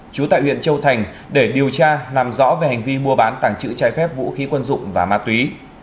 chú tại huyện châu thành để điều tra làm rõ về hành vi mua bán tảng chữ trái phép vũ khí quân dụng và ma túy